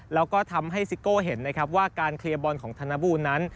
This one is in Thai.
แล้วก็ทำให้ซิโก้เห็นนะครับว่าการเคลียร์บอลของธนบูลนั้น